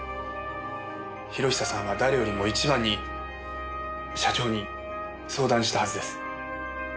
博久さんは誰よりも一番に社長に相談したはずです。